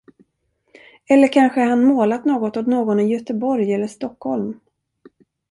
Eller kanske han målat något åt någon i Göteborg eller Stockholm.